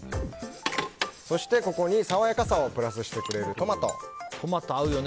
そして爽やかさをプラスしてくれるトマト合うよね